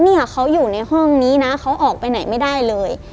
เนี่ยเขาอยู่ในห้องนี้นะเขาออกไปไหนไม่ได้เลย